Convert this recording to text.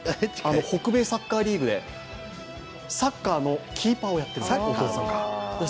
北米サッカーリーグでサッカーのキーパーをやっているそうです。